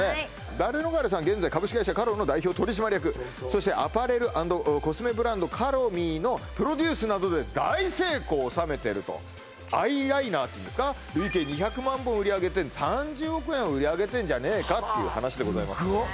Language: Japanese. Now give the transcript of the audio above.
現在株式会社ＣＡＲＯの代表取締役そしてアパレル＆コスメブランド「ＣＡＲＯＭＥ．」のプロデュースなどで大成功を収めてるとアイライナーっていうんですか累計２００万本売り上げて３０億円を売り上げてんじゃねえかっていう話でございます